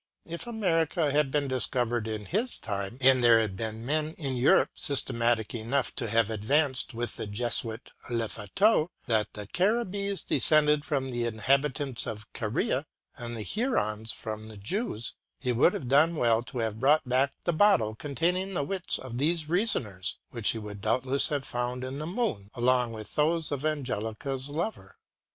If America had been discovered in his time, and there had then been men in Europe systematic enough to have advanced, with the Jesuit Lafitau, that the Caribbees descended from the inhabitants of Caria, and the Hurons from the Jews, he would have done well to have brought back the bottle containing the wits of these reasoners, which he would doubtless have found in the moon, along with those of Angelica's lover.